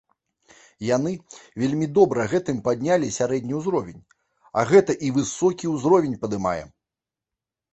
Яны вельмі добра гэтым паднялі сярэдні ўзровень, а гэта і высокі ўзровень падымае.